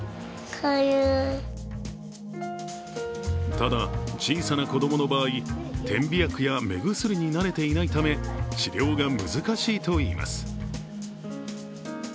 ただ小さな子供の場合、点鼻薬や目薬に慣れていないため治療が難しいといいます。